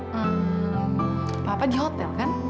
hmm papa di hotel kan